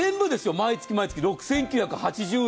毎月毎月６９８０円。